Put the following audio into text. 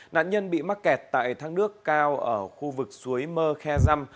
nạn nhân bị mắc kẹt tại thác nước cao ở khu vực suối mơ khe dăm